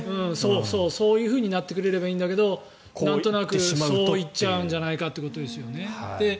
そういうふうになってくれればいいんだけどなんとなくそういっちゃうんじゃないかということですよね。